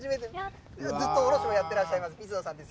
ずっと卸をやってらっしゃいます、水野さんです。